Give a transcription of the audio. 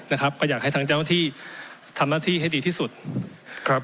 นะครับก็อยากให้ทางเจ้าที่ทำหน้าที่ให้ดีที่สุดครับ